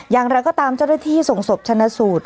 อย่างไรก็ตามเจ้าหน้าที่ส่งศพชนะสูตร